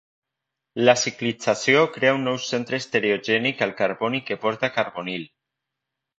La ciclització crea un nou centre estereogènic al carboni que porta carbonil.